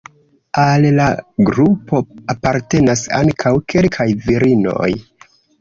Al la grupo apartenas ankaŭ kelkaj virinoj.